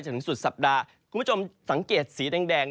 สุดสัปดาห์คุณผู้ชมสังเกตสีแดง